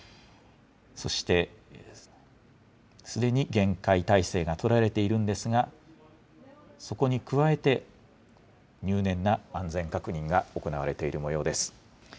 そしてすでに厳戒態勢が取られているんですが、そこに加えて、入念な安全確認が行われているもようです。